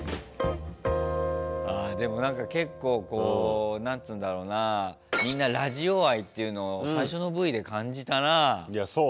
あでもなんか結構こう何つうんだろうなみんなラジオ愛っていうのを最初のＶで感じたなあ。